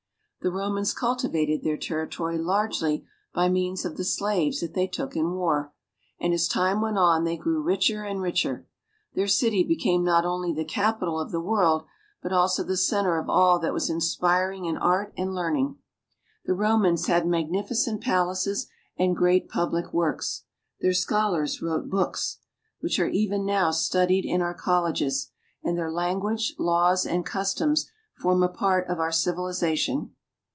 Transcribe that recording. The Romans cultivated their territory largely by means of the slaves that they took in war, and as time went on they grew richer and richer. Their city became not only the capital of the world, but also the center of all that was inspiring in art and learning. The Romans had magnificent palaces and great public works. Their scholars wrote books, which are even now studied in our colleges; and their language, laws, and customs form a part of our civilization.